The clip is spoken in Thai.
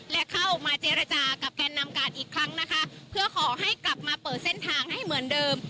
และเข้ามาเจรจากับแกนนำการอีกครั้งนะคะเพื่อขอให้กลับมาเปิดเส้นทางให้เหมือนเดิม